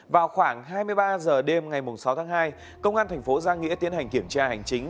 vào khoảng hai mươi ba h đêm ngày sáu tháng hai công an thành phố giang nghĩa tiến hành kiểm tra hành chính